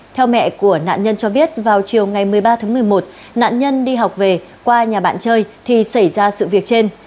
theo mẹ của nạn nhân cho biết vào chiều ngày một mươi ba tháng một mươi một nạn nhân đi học về qua nhà bạn chơi thì xảy ra sự việc trên